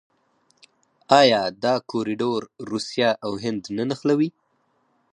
آیا دا کوریډور روسیه او هند نه نښلوي؟